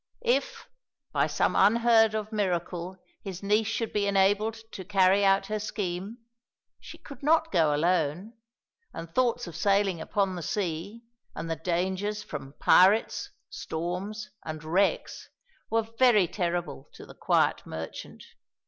If, by some unheard of miracle, his niece should be enabled to carry out her scheme, she could not go alone, and thoughts of sailing upon the sea, and the dangers from pirates, storms, and wrecks, were very terrible to the quiet merchant.